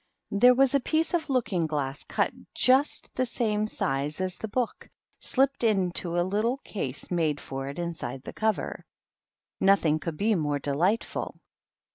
There was a piece of lookmg glass, cut just th same size as the book, slipped into a little cas made for it inside the cover. Nothing could b more delightful.